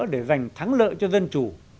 để giành thắng lợi cho dân chủ